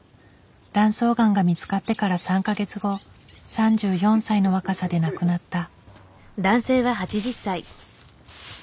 卵巣がんが見つかってから３か月後３４歳の若さで亡くなった。